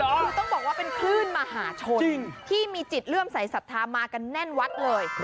คือต้องบอกว่าเป็นคลื่นมหาชนที่มีจิตเลื่อมสายศรัทธามากันแน่นวัดเลย